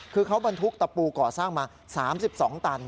คือเขาบรรทุกตะปูก่อสร้างมา๓๒ตัน